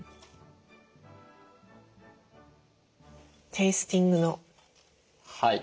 テイスティングの。